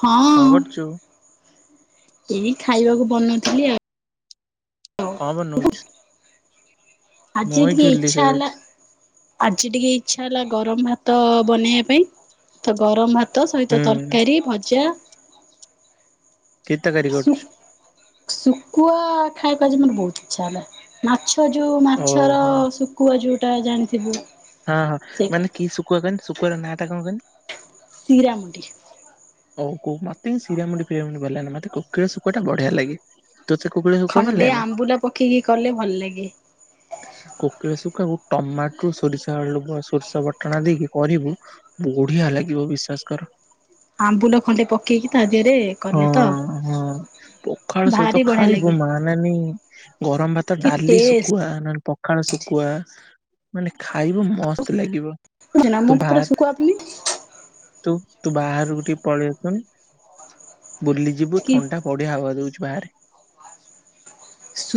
ହଁ। କଣ କରୁଛୁ ଏଇ ଖାଇବାକୁ ବନଉଥିଲି ଆଉ। କଣ ବନଉଛୁ? ମୁଁ ଆଜି ଏଇ ଟିକେ ଝୁଲି ଇଚ୍ଛା ହେଲା ଖେଳୁଛି ଆଜି ଟିକେ ଇଚ୍ଛା ହେଲା ଗରମ ଭାତ ବନେଇବା ପାଇଁ ତ ଗରମ ଭାତ ତ ସହିତ ହୁଁ ତରକାରୀ, ଭଜା। କି ତରକାରୀ କରିଚୁ? ଶୁକୁଆ ଖାଇଆକୁ ଆଜି ମୋର ବହୁତ ଇଚ୍ଛା ହେଲା। ମାଛ ଯୋଉ ମାଛର ଓହୋ ଶୁକୁୁଆ ଯୋଉଟା ଜାଣିଥିବୁ। ହଁ ହଁ ସେଇଟା। ମାନେ କି ଶୁକୁଆ କଅନି ଶୁକୁଆ ର ନାଁ ଟା କଣ କହନି? ଶୀରାମୁଣ୍ଡି। ହଉ କୋଉ ମତେ ଏ ଶିରାମୁଣ୍ଡି ଫିରାମୁଣ୍ଡି ଭଲ ଲାଗେ ନା। ମତେ ଏ କୋକିଳ ଶୁକୁଆ ଟା ବଢିଆ ଲାଗେ। ତୁ ତାକୁ କୋଳେ ଖଣ୍ଡେ ଆମ୍ବୁଲ ପକେଇକି କଲେ ଭଲ ଲାଗେ। କୋକିଳ ଶୁକୁଆ ଟମାଟୋ, ସୋରିଷ, ସୋରିଷ ବଟଣା ଦେଇକି କରିବୁ ବଢିଆ ଲାଗିବ ବିଶ୍ଵାସ କର। ଆମ୍ବୁଲ ଖଣ୍ଡେ ପକେଇକି ତା ଦେହରେ ହଁ କଲେ ତ? ହଁ ପଖାଳ ସହିତ ଭାରି ବଢିଆ ଖାଇବୁ ଲାଗେ। ମା ନାନୀ ଗରମ, ଭାତ, କି ଡାଲି, ଟେଷ୍ଟ ଶୁକୁଆ ନନ ପଖାଳ ଶୁକୁଆ ମାନେ ଖାଇବୁ ମସ୍ତ ଲାଗିବ। ଜାଣିଚୁ ନା ମୁଁ ତୁ ତ ବାହା ପୁରା ଶୁକୁଆ ପ୍ରିୟ। ତୁ ତୁ ବାହାରକୁ ଟିକେ ପଳେଇ ଆଶୁନୁ। ବୁଲିଯିବୁ କି ଥଣ୍ଡା ବଢିଆ ହୱା ଦୋଉଛି ବାହାରେ।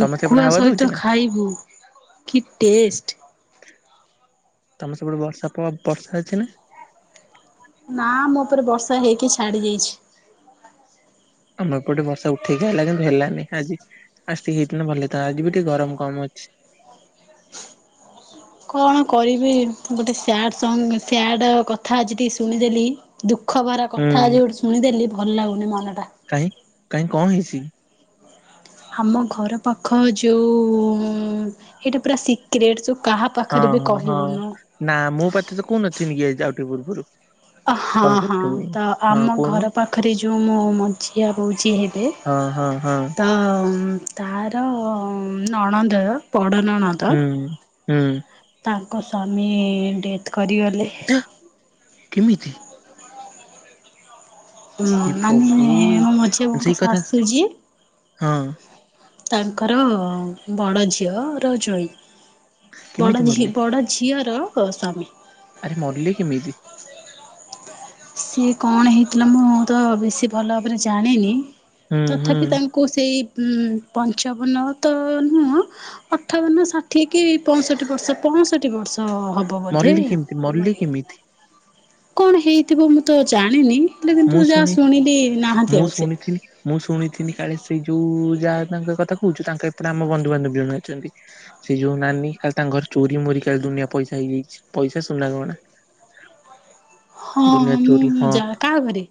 ତମ ସେପଟେ ହାୱା ଦଉଛି ସହିତ ନା? ଖାଇବୁ କି ଟେଷ୍ଟ। ତମର ସପଟେ ବର୍ଷା ପ ବର୍ଷା ହେଉଛି ନା? ନା ଆମ ଉପରେ ବର୍ଷା ହେଇକି ଛାଡି ଯାଇଛି। ଆମର ଏପଟେ ବର୍ଷା ଉଠେଇକି ଆଇଲା କିନ୍ତୁ ହେଲାନି ଆଜି। ଆସିକି ହେଇଥିନ ଭଲ ହେଇଥାନ୍ ଆଜି ବି ଟିକେ ଗରମ କମ ଅଛି। କଣ କରିବି ଗୋଟେ ସ୍ୟାଡ଼୍ ସଙ୍ଗ ସ୍ୟାଡ଼୍ କଥା ଆଜି ଟିକେ ଶୁଣିଦେଲି। ଦୁଃଖ ଭରା କଥା ହୁଁ ଆଜି ଗୋଟେ ଶୁଣିଦେଲି ଭଲ ଲାଗୁନି ମନଟା। କାହିଁ କାହିଁ କଣ ହେଇଛି କି? ଆମ ଘର ପାଖ ଯୋଉ ଏଇଟା ପୁରା ସିକ୍ କ୍ରେଟ୍ କାହା ହଁ ପାଖରେ ବି ହଁ ହଁ କହିବୁନୁ। ନା ମୁଁ ପା ତତେ କହୁନଥିଲି କି ଆଜି ଆଉ ଟିକେ ପୂର୍ବରୁ। ଅଁ ହଁ କଲ୍ ହଁ କରିଥିଲି। ତ ହଁ ଆମ କହୁନୁ ଘର ପାଖରେ ଯୋଉ ମୋ ମଝିଆ ବୋଉ ଯିଏ ହେବେ ହଁ ହଁ ତ ତାର ନଣନ୍ଦ ର ବଡ ନଣନ୍ଦ ହୁଁ ହୁଁ ତାଙ୍କ ସ୍ୱାମୀ ଡେଥ୍ କରିଗଲେ। ଆ କେମିତି? ହୁଁ ହେ ମାନେ ପ୍ରଭୁ ମୋ ମଝିଆ ବୋଉ ସେଇ ଙ୍କ କଥା ଶାଶୁ ଯିଏ ହଁ। ତାଙ୍କର ବଡ ଝିଅ ର ଜୋଇଁ। କେମିତି ବଡ ଝି ମରିଲେ ବଡ ଝିଅର ସ୍ଵାମୀ। ଆରେ ମରିଲେ କେମିତି? ସିଏ କଣ ହେଇଥିଲା ମୁଁ ତ ବେଶୀ ଭଲ ଭାବରେ ଜାଣିନି। ହୁଁ ହୁଁ ତଥାପି ତାଙ୍କୁ କୁ ସେଇ ଉଁ ପଂଚାବନ ତ ନୁହଁ ଅଠାବନ ଷାଠିଏ କି ପଞ୍ଚଷଠିବର୍ଷ ପଞ୍ଚଷଠି ବର୍ଷ ହବ। ହବ ବୋଧେ ମରିଲି କେମିତି ମରିଲି ମରିଗଲେ। କେମିତି କଣ ହେଇଥିବ ମୁଁ ତ ଜାଣିନି ହେଲେ ମୁଁ କିନ୍ତୁ ଯାହା ଶୁଣି ଶୁଣିଲି ମୁଁ ନାହାନ୍ତି ଆଉ ସେ। ଶୁଣିଥିଲି ମୁଁ ଶୁଣିଥିନି କାଳେ ସେଇ ଯୋଉ ଯାହା ତାଙ୍କ କଥା କହୁଛୁ ତାଙ୍କ ଏପଟେ ଆମ ବନ୍ଧୁବାନ୍ଧବ ବି ଜଣେ ଅଛନ୍ତି ସେ ଯୋଉ ନାନୀ କାଲି ତାଙ୍କ ଘର ଚୋରି ମୋରି କାଲି ଦୁନିଆ ପଇସା ହେଇଯାଇଛି ପଇସା ସୁନା ଗହଣା। ହଁ ଦୁନିଆ ହଁ ଚୋରି ମୁଁ ହଁ ଯା କାହା ଘରେ?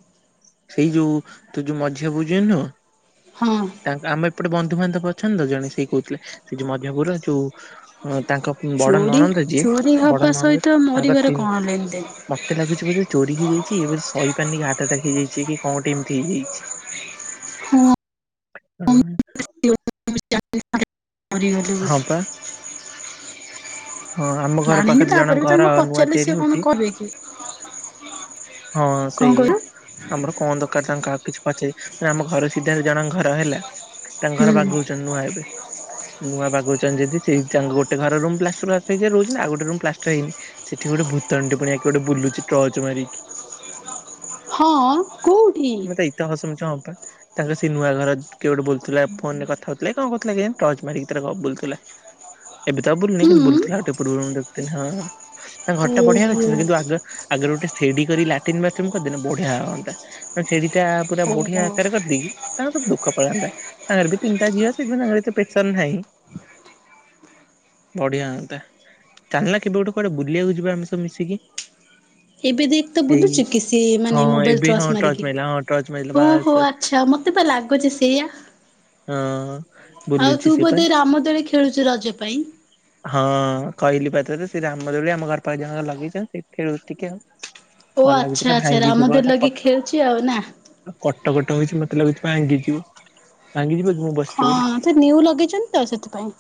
ସେଇ ଯୋଉ ତୁ ଯୋଉ ମଝିଆ ବୋଉ ଯେ ନୁହେଁ ହଁ। ତା ଆମ ଏପଟେ ବନ୍ଧୁବାନ୍ଧବ ଅଛନ୍ତି ତ ଜଣେ ସେଇ କହୁଥିଲେ ସେ ଯେ ମଝିଆ ବୋଉ ର ଯୋଉ ତାଙ୍କ ବଡ ଚୋରି ନଣନ୍ଦ ଯିଏ ଚୋରି ହବା ବଡ ନଣନ୍ଦ ସହିତ ତାଙ୍କର ମରିବାର ତିନ କଣ ଲେନଦେନ? ମତେ ଲାଗୁଛି କିଛି ବୋଧେ ଚୋରି ହେଇଯାଇଛି ଇଏ ବୋଧେ ସହି ପାରିନିକି ହାର୍ଟ ଆଟାକ ହେଇଯାଇଛି କି କଣ ଏମିତି ହେଇଯାଇଛି। ହୁଁ [unintelligible] [inaudible] ମରିଗଲେ ବୋଲି। ହଁ ପା ହଁ ଆମ ଘର ଜାଣିନି ପାଖରେ ଜଣ ତାପରେ ବି ଙ୍କ ଘର ତାଙ୍କୁ ନୂଆ ପଚାରିଲେ ସିଏ ତିଆରି କଣ ହଉଛି କହିବେ କି? ହଁ କଣ ସେଇୟା। କହିଲ? ଆମର କଣ ଦରକାର ତାଙ୍କ କା କିଛି ପଚାରି ଆମ ଘର ସିଧାରେ ଜଣଙ୍କ ଘର ହେଲା ତାଙ୍କ ଘର ହୁଁ ବାଗୋଉଛ ଛନ୍ତି ନୂଆ ଏବେ। ନୂଆ ବାଗୋଉଛନ୍ତି ଯଦି ସେଇ ତାଙ୍କ ଗୋଟେ ଘର ରୁମ ପ୍ଲାଷ୍ଟ ସେ ହିସାବରେ ରହୁଛି ନା ଆଉ ଗୋଟେ ରୁମ ପ୍ଲାଷ୍ଟର ହେଇନି। ସେଠି ଗୋଟେ ଭୁତଣୀଟେ ପୁଣି ଆ କିଏ ଗୋଟେ ବୁଲୁଚି ଟ୍ରଚ ମାରିକି। ହଁ କୋଉଠି? ଟ୍ରଚ୍ ମାରୁଚି ହଁ ପା। ତାଙ୍କ ସେ ନୂଆ ଘର କିଏ ଗୋଟେ ବୁଲୁ ଥିଲା ଫୋନ ରେ କଥା ହଉଥିଲା କି କଣ କରୁଥିଲା କେଜାଣି ଟ୍ରଚ ମାରିକି ତାର ବୁଲୁଥିଲା। [inaudible] ଏବେ ତ ଆଉ ବୁଲୁନି ହୁଁ। କିନ୍ତୁ ବୁଲୁଥିଲା ଆଉ ଟିକେ ପୂର୍ବରୁ ମୁଁ ଦେଖୁଥିନି। ହଁ ତା ଘରଟା ବଢିଆ ଓହୋ ହେଇଛି କିନ୍ତୁ ଆଗ ଆଗରୁ ଗୋଟେ ସେଡି କରି ଲାଟି୍ରନ୍ ବାଥରୁମ କରିଦେଲେ ବଢିଆ ହଅନ୍ତା ସେଦିଟା। ପୁରା ଓହୋ। ବଢିଆ ଆକାରରେ କରିଦେଇକି ତାଙ୍କର ସବୁ ଦୁଖ ପଳାଆନ୍ତା ତାଙ୍କର ବି ତିନିଟା ଝିଅ ସେଇଥି ପ୍ରେସର୍ ନାହିଁ ବଢିଆ ହନ୍ତା ଚାଲୁନ କେବେ କୁଆଡେ ବୁଲିବାକୁ ଯିବା ଆମେ ସବୁ ମିଶିକି? ଏବେ ଦେଖ ତ ଏଇ ବୁଲୁଚ କି ସେ ହଁ ମାନେ ମୋବାଇଲ ଏବେ ହଁ ଟ୍ରଚ ଟର୍ଚ ମାରିକି? ମାଇଲା ହଁ ଟର୍ଚ ମାଇଲା ବାସ୍ ଓହୋ ବାସ୍ ଆକ୍ ଛା ମତେ ତ ଲାଗୁଛି ସେଇୟା, ହଁ। ଆଉ ବୁଲୁଚି ତୁ ସିଏ ପା। ବୋଧେ ରାମ ଦୋଳି ଖେଳ୍ ଖେଳୁଛୁ ରଜ ପାଇଁ? ହଁ କହିଲି ପା ତତେ ସେ ରାମ ଦୋଳି ଆମ ଘର ପାଖରେ ଜଣେ ଲଗେଇଛନ୍ତି ଖେଳୁ ଟିକେ ଆଉ। ଓ ଭଲ ଆଚ୍ଛା ଲାଗୁଛିଟା ଆଚ୍ଛା ଭାଙ୍ଗିଯିବ ରାମଦୋଳି ହେଇଟା ଲଗେଇ କଟ୍ ଖେଳୁଛି ଆଉ ନା? କଟ କଟ ହଉଛି ମତେ ଲାଗୁଛି ଭାଙ୍ଗିଯିବ। ଭାଙ୍ଗି ଯିବ ଯେ ମୁଁ ବ୍ ହଁ ସେ ନିଉ ଲଗେଇଛନ୍ତି ତ ସେଥିପାଇଁ।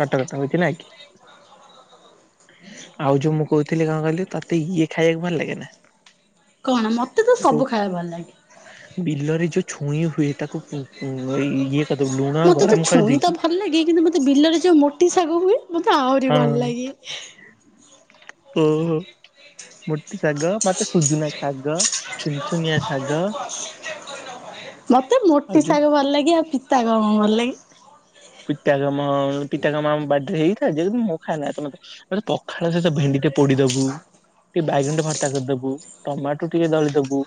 କଟ କଟ ହଉଚି ନାଇଁ କି? ଆଉ ଯୋଉ ମୁଁ କହୁଥିଲି କଣ କହଲିି ତତେ ଇଏ ଖାଇବାକୁ ଭଲ ଲାଗେ ନା? କଣ ମତେ ତ ଯୋଉ ସବୁ ଖାଇବା ଭଲ ଲାଗେ। ବିଲରେ ଯୋଉ ଛୁଇଁ ହୁଏ ତାକୁ ପୁ ପୁ ଇଏ କରିଦବୁ ଲୁଣ ମତେ ତ ଗରମ ଛୁଇଁ ତ କରିଦେଇକି ଭଲ ଲାଗେ କିନ୍ତୁ ମତେ ମୋତେ ବିଲରେ ଯେଉଁ ମୋଟି ଶାଗ ହୁଏ ମୋତେ ଆହୁରି ଭଲ ଲାଗେ। ଓଃ। ମୋଟି ଶାଗ ମତେ ସୁଜୁନା ଶାଗ ଛୁନଛୁନିଆ ଶାଗ ମତେ ଆଉ ମୋଟି ଯୋଉ ଶାଗ ଭଲ ଲାଗେ ଆଉ ପିତା କଣ ଭଲ ଲାଗେ। ପିତା କାମ ପିତା କାମ ଆମ ବାଡିରେ ହେଇ। ଏ ଯେଉଁ ଦିନ ମୁଁ ଖାଏ ନାହିଁ ତମେ ତ ପଖାଳ ସହିତ ଭେଣ୍ଡି ଟେ ପୋଡିଦବୁ। ଟିକେ ବାଇଗଣ ଭର୍ତ୍ତା କରିଦବୁ ଟମାଟୋ ଟିକେ ଦଳିଦବୁ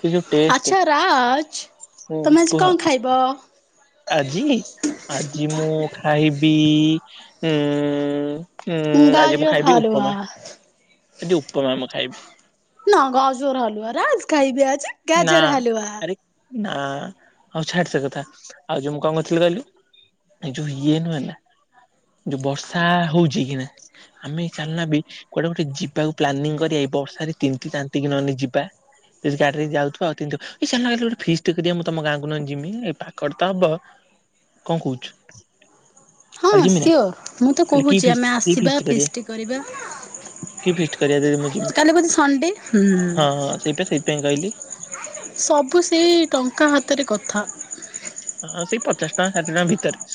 ସେ ଯୋଉ ଟେଷ୍ଟ ଆଚ୍ଛା ରାଜ ହୁଁ ତମେ ଆଜି କୁହ। କଣ ଖାଇବ? ଆଜି ଆଜି ମୁଁ ଖାଇବି ଉଁ ଉଁ ଆଜି ମୁଁ ଗାଜର ଖାଇବି ହାଲୁଆ। ଉପମା ଆଜି ଉପମା ମୁଁ ଖାଇବି। ନା ଗଜର ହଲୁଆରାଜ ଖାଇବି ଆଜି। ନା ଗାଜର ହାଲୁଆ। ଆରେ ନା ଆଉ ଛାଡ ସେ କଥା ଆଉ ଯୋଉ ମୁଁ କଣ କହୁଥିଲି କହିଲୁ ଏ ଯୋଉ ଇଏ ନୁହେଁ ନା ଯୋଉ ବର୍ଷା ହଉଚି କି ନା ଆମେ ଚାଲନା ବି କୁଆଡେ ଗୋଟେ ଯିବାକୁ ପ୍ଲାନିଂ କରିବା କି ବର୍ଷାରେ ତିନିତିତାନ୍ତି କି ନହେଲେ ଯିବା। ଇସଗାଡ୍ ରେ ଯାଉଥିବା ଆଉତିନ ଦିଅ, ଏ ଚଲୁନ ଆଉ ଗୋଟେ ଫିଷ୍ଟ୍ କରିବା। ମୁଁ ତମ ଗାଁକୁ ନହେଲେ ଯିବିଂ ଏ ପାଖରେ ତ ହବ। କଣ କହୁଛୁ? ହଁ କାଲି ଯିମି ନା ସିଓର ମୁଁ ତ କାଲି କି କହୁଛି ଫିଷ୍ଟ ଆମେ କି ଆସିବା ଫିଷ୍ଟ ଫିଷ୍ଟ୍ କରିବା। କି ଫିଷ୍ଟ କରିବା ଯଦି ମୁଁ ଯିମି? କାଲି ବୋଧେ ଷଣ୍ଢେ? ହୁଁ। ହଁ ହଁ ସେଇପା ସେଇଥିପାଇଁ କହିଲି ସବୁ ସେଇ ଟଙ୍କା ହାତରେ କଥା। ହଁ ସେଇ ପଚାଶ ଟଙ୍କା ଷାଠିଏ ଟଙ୍କା ଭିତରେ।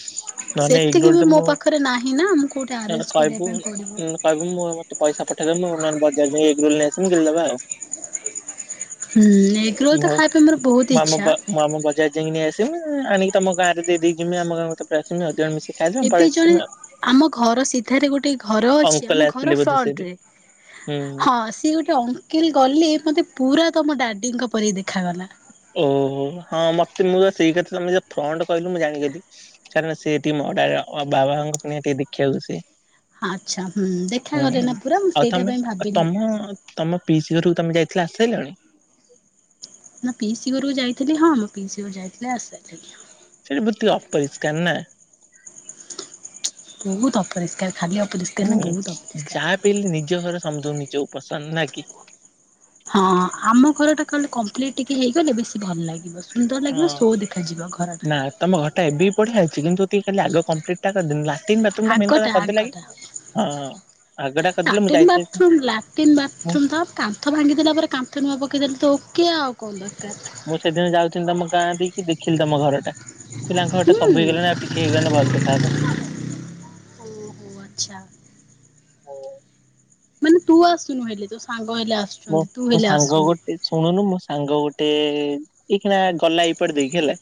ନହେଲେ ସେତିକି ଏଗରୋଲ ବି ଟେ ମୋ ମୁଁ ପାଖରେ ନାହିଁ ନା ମୁଁ କୋଉଠି ଆରେନ୍ଜ୍ କରିବା ପାଇଁ ପଡିବ। କହିବ ମୁଁ ମତେ ପଇସାଠେଇଦବ ମୁଁ ବଜାର ଯାଇଁ ଏଗ୍ ରୋଲ୍ ନେଇ ଆସିବି ଗିଳିଦବା ଆଉ। ହୁଁ ଏଗ୍ ରୋଲ୍ ତ ଖାଇବା ପାଇଁ ମୋର ବହୁତ ଇଚ୍ଛା। ଯା ଯକି ନେଇ ଆସିବମ ଆଣିକିମ ଗଁରେ ଦେଇକମ ଆମ ଗାକୁରେ ଆସମି ହଜଣ ମିଶି ଏବେ ଜଣେ ଆମ ଘର ସିଧାରେ ଗୋଟେ ଘର ଅଛି ଅଙ୍କଲ ଆମ ଆସିଥିଲେ ଘର ବୋଧେ ସେ ବି ଫ୍ରଣ୍ଟ ରେ। ହୁଁ। ହଁ ସିଏ ଗୋଟେ ଅଙ୍କଲ ଗଲେ ମତେ ପୁରା ତମ ଡାଡିଙ୍କ ପରି ଦେଖାଗଲା। ଓହୋ ହଁ ମତେ ମୁଁ ସେଇ କଥା ତମେ ଯ ଫଣ୍ଡ କହିଲ ମୁଁ ଜାଣିଗଲି। ଚାଲ ସେଠିକେ ମୋ ଡାଇର ବାବାଙ୍କ ଟିକେ ଦେଖିବାକୁ ସେ। ଆଚ୍ଛା ହୁଁ ହୁଁ ଦେଖାଗଲେ ନା ପୁରା ମୁଁ ଆଉ ସେଇଟା ତମେ ପାଇଁ ଆଉ ଭାବିଲି। ତମେ ତମ ପିଇସି ଘରକୁ ତମେ ଯାଇଥିଲ ଆସିସାଇଲଣି। ନା ପିଇ ସି ଘରକୁ ଯାଇଥିଲି ହଁ ମୁଁ ପିଇସି ଘରୁ ଯାଇଥିଲି ଆସିସାଇଲିଣ। ସେଇଟି ବେଧେ ଅପରିଷ୍କାର ନା। ବହୁତ ଅପରିଷ୍କାର ଖାଲି ହାତ ଦୂଷିତ ହୁଁ ହେଲେ ବହୁତ ଅପରିଷ୍କାର। [unintelligible] ନିଜ ଘରେ ସମିତିକୁ ନିଜକୁ ପସନ୍ଦ ନାଁ କି? ହଁ ଆମ ଘର ଟା କାଲେ କମ୍ପ୍ଲିଟ ଟିକେ ହେଇଗଲେ ବେଶୀ ଭଲ ଲାଗେ। [unintelligible] ସୁନ୍ଦର ହଁ ଲାଗିବ ସୋ ଦେଖାଯିବ ନା ଘରଟା। ତମ ଘର ଏବେ ବି ବଢିଆ ହେଇଛି କିନ୍ତୁ ଟିକେ କାଲି ଆଗ କପ୍ଲିଟା କରିଦେନେ ଲାସ୍ ତତିନ ବାଥରମ ଟା ମେନ କଥା ଆଗଟା କଦ ଆଗଟା ଲାଗ ହଁ ଆଗଡା କଦିଲମୁ ଯାଇଥିଲେ ଟିନ୍ ବାଥରୁମ୍ ତ କାନ୍ଥ ଭାଙ୍ଗିଦେଲା ପରେ କାନ୍ଥ ନୂଆ ପକାଇଦେଲେ ତ ଓକେ ଆଉ କଣ ଦରକାର ମୁଁ ସେଦିନ ଯାଉଥିଲି ତମ ଗାଁ ଦେଇକି ଦେଖିଲି ତମ ଘରଟା କହିଲି ଆଙ୍କ ଘରଟା ହୁଁ ସବୁ ହେଇଗଲାଣି ଆଉ ଟି କେ ଜଣେ ଭଲେ ସେ ଖାଇବ ଓହୋ ଆଚ୍ଛା ମାନେ ତୁ ଆସୁନୁ ହେଲେ ତୋ ସାଙ୍ଗ ହେଲେ ଆସୁ ମୁଁ ମୋ ସାଙ୍ଗ ଗୋଟେ ଶୁଣୁନୁ ମୋ ସାଙ୍ଗ ଗୋଟେ ଏଇ ଏଇକିଣା ଗଲା ଏଇପଟେ ଦେଇକି ହେଲା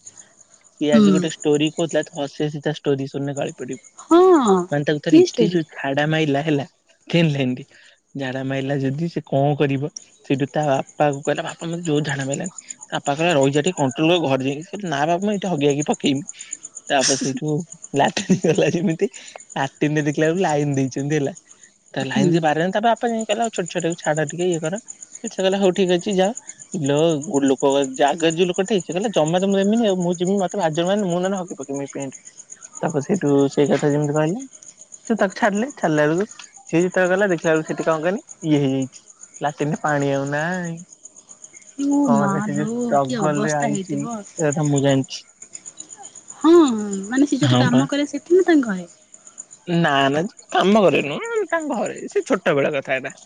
ସିଏ ହୁଁ ଆଜି ଗୋଟେ ଷ୍ଟୋରି କଉଥିଲା ତୁ ହସି ହସିତା ଷ୍ଟୋରି ଶୁଣିନେ ଗଳି ପଡିବୁ ହଁ ମାନେ ତା ଭିତରେ କି ଏତେ ଜା ଷ୍ଟୋରି ଖାଡା ମାଇଲା ହେଲା [unintelligible] ସେମିତି ଝାଡା ମାଇଲା ଯଦି ସେ କଣ କରିବ ସେଇଠୁ ତା ବାପାକୁ କହିଲା ବାପା ମତେ ଜୋର ଝାଡ଼ା ମାଇଲାଣି ତା ଆପା କହିଲା ରହିଯା ଟିକେ କଣ୍ଟ୍ରୋଲ କର ଘରେ ଯାଇକି ନା ନା ମୁଁ ଏଇଠି ହଗି ହାଗି ପକେଇମି ତା ଆପା ସେଇଠୁ ଲାଟିନି ଗଲା ଯେମିତି ଲାଟିନରେ ଦେଖିଲା ବେଳୁକୁ ଲାଇନ୍ ଦେଇଚନ୍ତି ହେଲା ତା ଲାଇନ୍ ହୁଁ। ଯେ ପାର ହେଲାନି ତା ବାପା ଯାଇ କଇଲା ଆଉ ଛୋଟ ଛୁଆଟାକୁ ଛାଡ ଟିକେ ଇଏ କର ସେ କଇଲା ହଉ ଠିକ୍ ଅଛି ଯାଅ ଲୋ ଗୋଟେ ଲୋକ ଆ ଜାଗାରେ ଯିଏ ଲୋକ ଠିଆ ଲୋ ଗୋ ଲୋକ ଜା ଗେ ଯୋଉ ଲୋକ ଥାଏକି ସିଏ କହିଲା ଜମା ତ ମୁଁ ଦେମିନି ଆଉ ମୁଁ ଯିମି ମତେ ଭାରି ଜୋର୍ ମାଇଲାଣି ମୁଁ ନହେଲେ ହଗି ପକେଇମି ପେଣ୍ଟ ତାପରେ ସେଇଠୁ ସେଇ କଥା ଯେମିତି କହିଲା ତୁ ତାକୁ ଛାଡିଲେ ଛାଡିଲା ବେଳୁକୁ ସିଏ ଯେତେବେଳ ଗଲା ଦେଖିଲା ବେଳୁକୁ ସେଠି କଣ କହନି ଇଏ ହେଇଯାଇ ଲାଟିନରେ ପାଣି ଆଉ ନାଇଁ ଓ କଣ ମା ହେଲା ସିଏ ଲୋ କି ଯୋଉ ଷ୍ଟ୍ରଗଲରେ ଅବସ୍ଥା ଆଇଚି ହେଇଥିବ। ସେ କଥା ମୁଁ ଜାଣିଛି ହଁ ମାନେ ସିଏ ଯୋଉଠିି ହଁ ପା କାମ କରେ ସେଠି ନା ତାଙ୍କ ଘଏ ନା ନା ଯୋଉଠି କାମ କରେ ନୁହଁ ତାଙ୍କ ଘରେ ସିଏ ଛୋଟବେଳ କଥା ଏଟା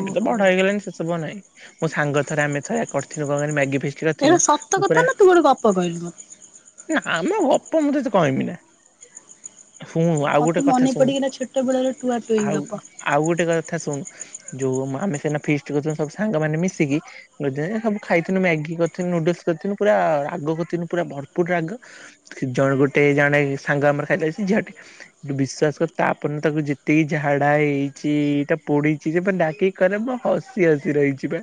ଏବେ ତ ବଡ ହେଇଗଲାଣି ସେ ସବୁ ଆଉ ନାହିଁ ମୋ ସାଙ୍ଗ ଥରେ ଆମେ ଥରେ କରିିଥିନୁ କଣ କହନି ମ୍ୟାଗି ଫିଷ୍ ଏଇଗୁଡା ସତ କଥା ନା ତୁ ଗୋଟେ ଗପ କହିଲୁ ମତେ ନା ଆମେ ଗପ ମୁଁ ତତେ କହିମି ନା ଶୁଣୁ ଆଉ ମତେ ଗୋଟେ କଥା ମନେ ଶୁଣ ପଡିଗଲା ଛୋଟ ବେଳର ଟୁଆ ଟୁଇଁ ଆଉ ଗପ। ଆଉ ଗୋଟେ କଥା ଶୁଣୁ ଯୋଉ ମା ଆମେ ସେନା ଫିଷ୍ଟ୍ କରୁଥୁଲୁ ସବୁ ସାଙ୍ଗମାନେ ମିଶିକି ବୋଝାଏ ସବୁ ଖାଇଥିନୁ ମ୍ୟାଗି କରିଥିନୁ ନୁଡୁଲସ୍ କରିଥିନୁ ପୁରା ରାଗ କରିଥିନୁ ପୁରା ଭରପୁର୍ ରାଗ ଜଣେ ଗୋଟେ ଜଣେ ସାଙ୍ଗ ଆମର ଖାଇଲା ସିଏ ଝିଅଟେ ବିଶ୍ଵାସ କର ତାପର ଦିନ ତାକୁ ଯେତିକିି ଝାଡା ହେଇଚି ତା ପୋଡିଚି ସିଏ ପା ଡାକିକି କହିଲା ମୁଁ ହସି ହସି ରହିଚି ପା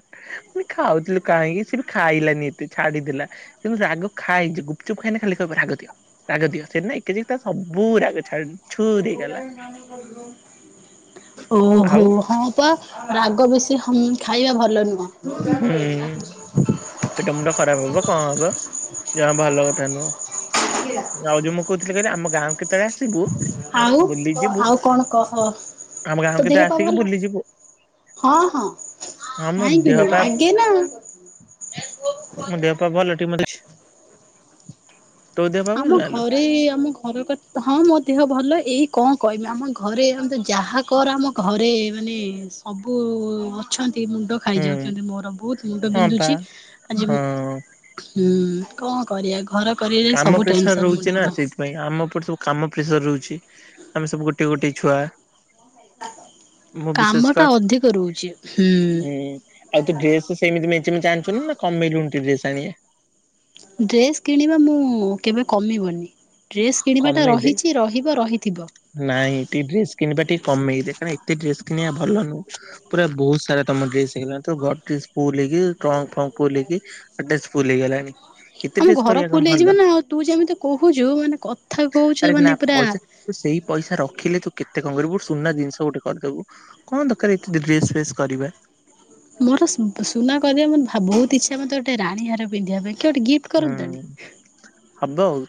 ମୁଁ ଖାଉଥିଲି କାହିଁକି ସେ ବି ଖାଇଲାନି ଏତେ ଛାଡିଦେଲା [unintelligible] ରାଗ ଖାଏ ଯେ ଗୁପଚୁପ୍ ଖାଇନେ ଖାଲି କହିବ ରାଗ ଦିଅ ରାଗ ଦିଅ ସେଦିନ ଏକି ଜେ ସବୁ ରାଗ ଛାଡ ଆଉ ଓହୋ ହଉ ତ ରାଗ ବେଶି ହମ ଖାଇବା ଭଲ ନୁହଁ ହୁଁ ପେଟ ମୁଣ୍ଡ ଖରାପ ହବ କଣ ହବ ଜମା ଭଲ କଥା ନୁହଁ ମୁଁ ଆଉ ଯୋଉ ମୁଁ କହୁଥିଲି କହିଲୁ ଆମ ଗାଁକୁ କେତେବେଳେ ଆସିବୁ ଆଉ ବୁଲି ଯିବୁ ଆଉ କଣ କହ ଆମ ଗାଁକୁ ତୋ ଦେହ କେତେବେଳେ ପା ଆସିକି ଭଲ? ବୁଲି ଯିବୁ ହଁ ହଁ ହଁ ମୋ ଦେହ ପା କାହିଁକିିନା ଆଗେ ନା ମୋ ଦେହ ପା ଭଲଟି ମୁଁ ଡିଚ୍ ଭଲ ଆମ ନା ଲୋ ଘରେ ଆମ ଘର କ ହଁ ମୋ ଦେହ ଭଲ ଏଇ କଣ କହିମି ଆମ ଘରେ ମାନେ ତୁ ଯାହା କର ଆମ ଘରେ ମାନେ ସବୁ ଅଛନ୍ତି ମୁଣ୍ଡ ହୁଁ ଖାଇଯାଉଚନ୍ତି ମୋର ବୋହୁତ ମୁଣ୍ଡ ହଁ ପା ବିନ୍ଧୁଚି ଆଜି ହଁ ହୁଁ କଣ କରିଆ ଘର କରି କାମ ପ୍ରେସର୍ ରହୁଚି ନା ସେଇଥି ନାଇଁ ଆମ ଉପରେ ସବୁ କାମ ପ୍ରେସର୍ ରହୁଚି ଆମେ ସବୁ ଗୋଟିଏ ଗୋଟିଏ ଛୁଆ। ମୁଁ ବିଶେଷ କାମଟା କ, ଅଧିକ ରହୁଛି ହୁଁ ଆଉ ତୁ ଡ୍ରେସ? ସେମିତି ମେଞ୍ଚେ ମେଞ୍ଚେ ଆଣୁଚୁନା କମେଇଲୁଣିି ଟିକେ ଡ୍ରେସ ଆଣିଆ? ଡ୍ରେସ୍ କିଣିବା ମୁଁ କେବେ କମିବନି। ଡ୍ରେସ୍ କିଣିବାଟା କମେଇଦେ ରହିଚି ରହିବ ରହିଥିବ। ନାଇଁ ଟିକେ ଡ୍ରେସ କିଣିବା ଟିକେ କମେଇ ଦେ କାଇଁ ତେ ଡ୍ରେସ୍ କିଣିବା ଭଲ ନୁହଁ। ପୁରା ବୋହୁତ ସାରା ତମ ଡ୍ରେସ୍ ହେଇଗଲାଣି। ପୁରା ଗଡ୍ରେଜ ଫୁଲ୍ ହେଇକି ଟ୍ରଙ୍କ୍ ଫ୍ରଙ୍କ୍ ଫୁଲ୍ ହେଇକି, ଗଡ୍ରେଜ ଫୁଲ୍ ହେଇଗଲାଣି। ଏତେ ଆମ ଡ୍ରେସ ଘର କରିବା କଣ ଫୁଲ୍ ହେଇଯିବ ଭଲ ନା ଆଉ ତୁ ଯେମିତି କୋହୁଚୁ ମାନେ କଥା ଆରେ କହୁଚୁ ନା ମାନେ ପୁରା ପଇସା ତୁ ସେଇ ପଇସା ରଖିଲେ ତୁ କେତେ କଣ କରିବୁ ସୁନା ଜିନିଷ ଗୋଟେ କରିଦବୁ। କଣ ଦରକାର ଏତେ ଦେ ଡ୍ରେସ୍ ଫ୍ରେସ୍ କରିବା? ମୋର ସୁନା କରିବା ମତ ବହୁତ ଇଚଛା ମୋତେ ଗୋଟେ ରାଣୀ ହାର ପିନ୍ଧିବା ପାଇଁ କି ଗୋଟେ ଗିଫ୍ଟ ହୁଁ କରନ୍ତାନି। ହବ ଆଉ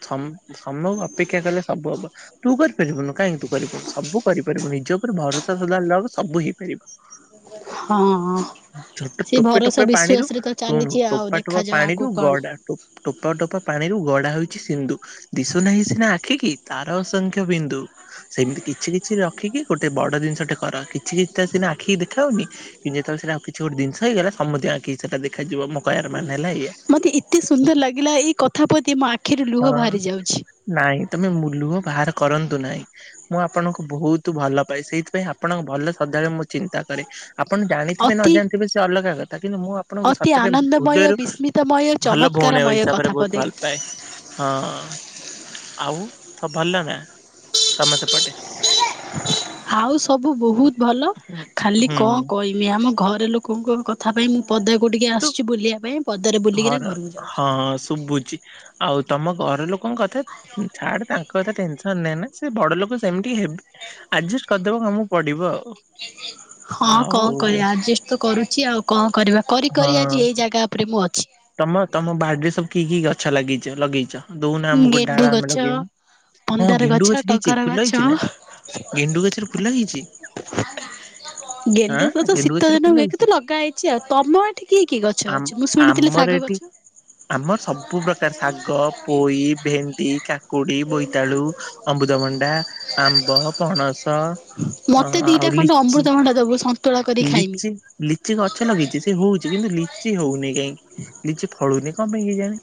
ସମୟ ଅପେକ୍ଷା କଲେ ସବୁ ହବ। ତୁ କରିପାରିବୁନୁ କାହିଁକି ତୁ କରିବୁନୁ ସବୁ କରିପାରିବୁ ନିଜ ଉପରେ ଭରସା ସଦାବେଳେ ରଖ ସବୁ ହେଇପାରିବ। ହଁ ଟୋପେ ସେ ଟୋପେ ଭରସା ଟୋପେ ପାଣିରୁ ବିଶ୍ଵାସ ରେ ତ ଶୁଣୁ ଚାଲିଛି ଆଉ ଟୋପା ଟୋପା ଦେଖାଯାଉ ଆଗକୁ ପାଣିରୁ କଣ। ଗଡା ଟୋପା ଟୋପା ପାଣି ରୁ ଗଡା ହେଉଛି ସିନଧୁ ଦିଶୁ ନାହିଁ ସିନା ଆଖି କି ତାର ଅସଂଖ୍ୟ ବିନ୍ଦୁ ସେମିତି କିଛି କିଛି ରଖିକି ଗୋଟେ ବଡ ଜିନିଷ ଟେ କରନ୍ତି। କିଛି କିଛି ନା ଆଖିକି ଦେଖାାଉନି କିନ୍ତ ଯେତେବେଳେ ସେଟାଉଛି ଗୋଟେ ଜି ହେଇଗ ସମସ୍ତ ଆଖି କି ସେଟା ଦେଖାଯିବ ମକାୟାର ମାନେ ହେଲା ଏୟା। ମତେ ଏତେ ସୁନ୍ଦର ଲାଗିଲା ଏଇ କଥା ପଦେ ମୋ ଆଖିରେ ଲୁହ ହଁ। ବାହାରି ଯାଉଛି। ନାଇଁ ତମେ ମୁ ଲୁହ ବାହାର କରନ୍ତୁ ନାହିଁ। ମୁଁ ଆପଣଙ୍କୁ ବହୁତ ଭଲ ପାଏ, ସେଇଥିପାଇଁ ଆପଣଙ୍କ ଭଲ ସଦାବେଳେ ମୁଁ ଚିନ୍ତା କରେ। ଆପଣ ଜାଣିଥିବେ ନ ଅତି ଜାଣିଥିବେ ସେ ଅଲଗା କଥା କିନ୍ତୁ ମୁଁ ଆପଣଙ୍କୁ ଅତି ସତରେ ଆନନ୍ଦମୟ ହୃଦୟରୁ ବିସ୍ମିତମୟ ଭଲ ଭଉଣୀ ଚମତ୍କାରମୟ ହିସାବରେ କଥା ବହୁତ ପଦେ। ଭଲ ପାଏ। ହଁ ଆଉ ସବୁ ଭଲ ନା? ତମ ସେପଟେ? ଆଉ ସବୁ ବହୁତ ଭଲ ହୁଁ ଖାଲି ହୁଁ। କଣ କଇମି ଆମ ଘରେ ଲୋକଙ୍କୁ କ ତା ପାଇଁ ମୁଁ ପଦାକୁ ଟିକେ ତୁ ଆସିଛି ବୁଲିବା ପାଇଁ। ପଦାରେ ବୁଲିକିନା ଘର, ଘରକୁ ଯାଉଛି। ହଁ ଶୁଭୁଛି ଆଉ ତମ ଘର ଲୋକ ତାଙ୍କ କଥା ଛାଡ, ତାଙ୍କ କଥା ଟେନସନ ନେନା। ସେ ବଡ ଲୋକ ସେମିତି ହେବେ, ଆଡଜଷ୍ଟ କରିଦବ ଆମକୁ ପଡିବ। ହଁ ଆଉ ଆଉ କଣ କରିବା ଆଡଜଷ୍ଟ ତ କରୁଛି ଆଉ କଣ କରିବା କରି କରି ହଁ। ଆଜି ଏଇ ଜାଗା। ଉପରେ ମୁ ଅଛି। ତମ ତମ ବାଡିରେ ସବୁ କିଏ କି ଗଛ ଲଗେଇଛ ଲଗେଇଛ? ଦଉନା ଆମକୁ ଗୋଟେ ଗେଣ୍ଡୁ ଡାଳ ଆମେ ଗଛ ଲଗେଇବୁ। ହଁ ମନ୍ଦାର ଗେଣ୍ଡୁ ଗଛ ଦେଇଛି ଟଗର ଫୁଲ ଗଛ ହେଇଛି ନା? ଗେଣ୍ଡୁ ଗଛରେ ଫୁଲ ହେଇଛି। ଆଁ ଗେଣ୍ଡୁକୁ ତ ଗେଣ୍ଡୁ ଶୀତ ଗଛରେ ଦିନ ଫୁଲ ହୁଏ କି ହେଇଛି। ତ ଲଗା ହେଇଛି ଆଉ ତମ ଏଠି କିଏ କିଏ ଗଛ ଆମ ଅଛି ମୁଁ ଶୁଣିି ଥିଲେ ଆମର ଶାଗ ଏଠି ଗଛ? ଆମର ସବୁ ପ୍ରକାର ଶାଗ, ପୋଇ, ଭେଣ୍ଡି, କାକୁଡି ବୋଇତାଳୁ ଅମ୍ବୃତ ଭଣ୍ଡା, ଆମ୍ବ, ପଣସ ଅ ମୋତେ ଆଉ ଦୁଇଟା ଖଣ୍ଡ ଲିଚି ଅମୃତଭଣ୍ଡା ଦେବୁ ସନ୍ତୁଳା କରି ଖାଇବି। ଲିଚି ଲିଚି ଗଛ ଲଗେଇଛି, ସେ ହଉଛି କିନ୍ତୁ ଲିଚି ହଉନି କାହିଁକି ଲିଚି ଫଳୁନି କଣ ପାଇଁ କେଜାଣି?